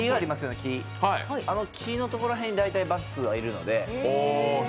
あの木のところらへんに大体バスはいるので。